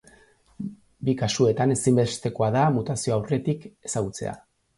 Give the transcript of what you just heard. Bi kasuetan, ezinbestekoa da mutazioa aurretik ezagutzea.